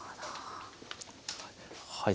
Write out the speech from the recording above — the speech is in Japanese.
はい。